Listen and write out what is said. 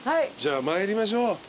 じゃあ参りましょう。